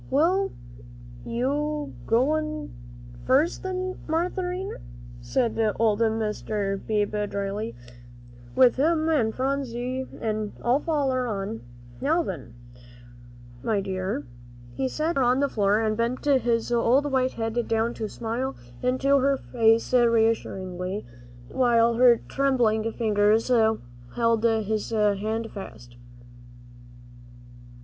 "Well, you go first then, Marinthy," said old Mr. Beebe, dryly, "with him, an' Phronsie an' I'll foller on. Now then, my dear." He set her on the floor, and bent his old white head down to smile into her face reassuringly, while her trembling fingers held his hand fast.